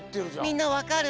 みんなわかる？